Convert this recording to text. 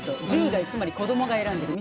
１０代つまり子どもが選んでる。